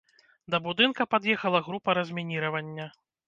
Да будынка пад'ехала група размініравання.